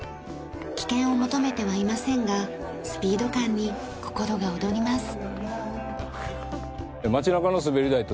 危険を求めてはいませんがスピード感に心が躍ります。